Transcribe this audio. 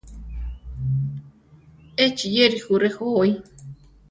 Échi yéri jú rejoí.